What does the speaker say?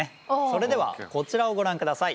それではこちらをご覧ください。